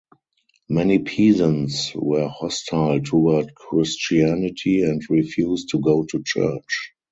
Many peasants were hostile toward Christianity and refused to go to church.